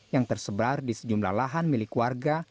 yang tersebar di sejumlah lahan milik warga